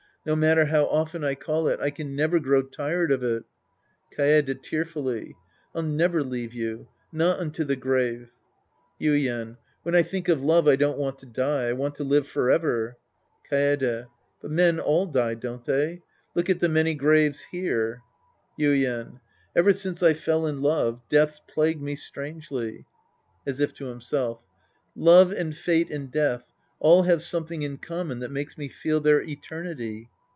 No matter how often I call it, I can never grow tired of it. Kaede {tearfully). I'll never leave you. Not unto the grave. Yuien. When I think of love, I don't want to die. I want to live forever. Kaede. But men all die, don't they ? Look at the many graves here. Yuien. Ever since I fell in love, death's plagued me strangely. {As if to himself^ Love and fate and death all have something in common that makes me feel their eternity.